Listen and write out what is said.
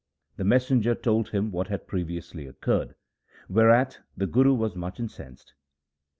The messenger told him what had previously occurred, whereat the Guru was much incensed.